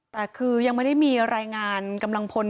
แต่คือยังไม่ได้มีรายงานกำลังพล